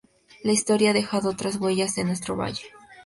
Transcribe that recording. La historia ha dejado otras huellas en nuestro valle.